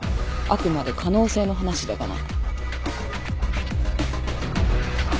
あくまで可能性の話だがな。